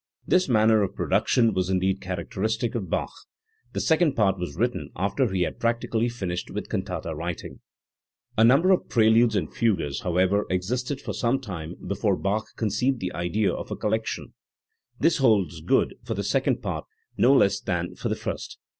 This manner of production was indeed characteristic of Bach. The Second Part was written after he had practically finished with cantata .writing. A number of preludes and fugues, however, existed for some time before Bach conceived the idea of a collection. This holds geod for the Second Part no less than for the First.